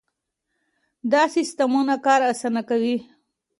دا سیستمونه کار اسانه کوي.